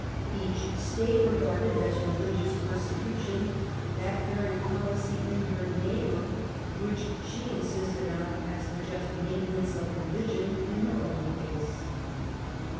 Each State regarded as religious persecu tion that very policy in her neighbour which she 8 THE REIGN OF QUEEN ANNE. ch. xxi, insisted on as the just maintenance of religion in her own case.